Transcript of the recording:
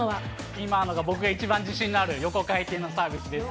今のが僕が一番自信がある、横回転のサーブです。